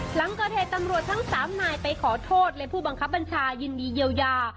หลังเกิดเหตุตำรวจทั้ง๓นายไปขอโทษและผู้บังคับบัญชายินดีเยียวยา